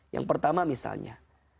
yang pertama misalnya